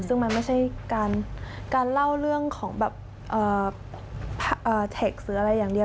ซึ่งมันไม่ใช่การเล่าเรื่องของแบบเทคหรืออะไรอย่างเดียว